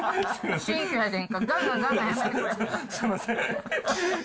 すみません。